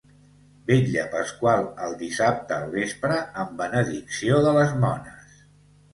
Vetlla pasqual al dissabte al vespre amb benedicció de les mones.